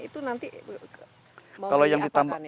itu nanti mau diatakan ya